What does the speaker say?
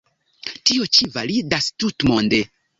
Tio ĉi validas tutmonde.